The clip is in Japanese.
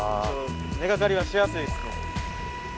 根掛かりはしやすいです。